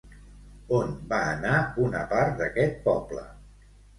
On va anar una part d'aquest poble?